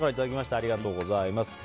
ありがとうございます。